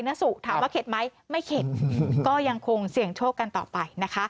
เนื่องคมถามว่าเข็ดไหมไม่เข็ดก็ยังคงเสี่ยงโชคกันต่อไป